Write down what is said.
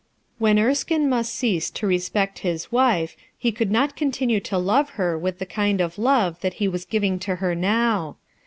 When Erskine must cease to respect his wife, he could not continue to love her with the kind of love that he was giving to her now.